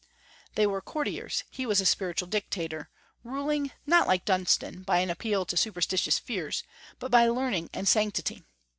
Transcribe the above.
They were courtiers; he was a spiritual dictator, ruling, not like Dunstan, by an appeal to superstitious fears, but by learning and sanctity.